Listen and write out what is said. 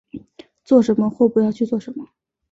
做什么或不要去做什么